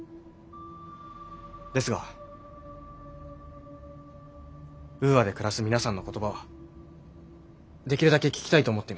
ですがウーアで暮らす皆さんの言葉はできるだけ聞きたいと思っています。